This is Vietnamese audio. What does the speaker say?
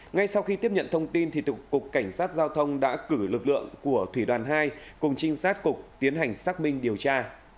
ngay sau khi tiếp nhận thông tin cục cảnh sát giao thông đã cử lực lượng của thủy đoàn hai cùng trinh sát cục tiến hành xác minh điều tra